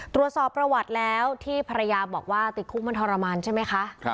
ตรวจสอบประวัติแล้วที่ภรรยาบอกว่าติดคุกมันทรมานใช่ไหมคะ